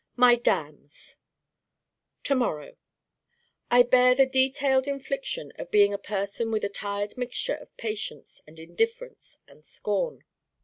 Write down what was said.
My damns To morrow I bear the detailed infliction of being a person with a tired mixture of patience and indifference and scorn.